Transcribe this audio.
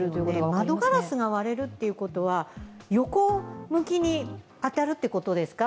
窓ガラスが割れるということは横向きに当たるってことですか？